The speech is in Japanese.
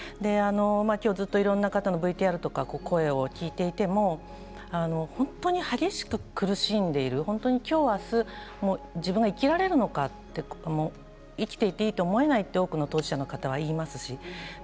今日もいろいろな方のＶＴＲや声を聞いていても本当に激しく苦しんでいる今日、明日自分が生きられるのか生きていていいと思えないと多くの当事者の方は言います。